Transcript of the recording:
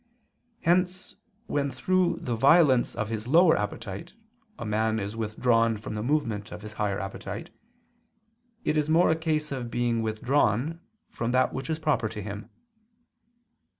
Hence when through the violence of his lower appetite a man is withdrawn from the movement of his higher appetite, it is more a case of being withdrawn from that which is proper to him.